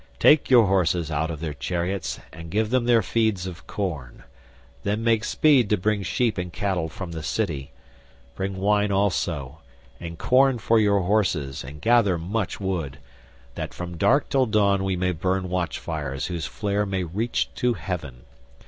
Take your horses out of their chariots and give them their feeds of corn; then make speed to bring sheep and cattle from the city; bring wine also and corn for your horses and gather much wood, that from dark till dawn we may burn watchfires whose flare may reach to heaven.